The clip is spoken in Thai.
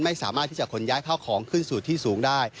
ไม่สามารถที่จะขนย้ายข้าวของขึ้นสู่ที่สูงได้